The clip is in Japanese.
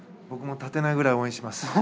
僕も立てないぐらい応援します。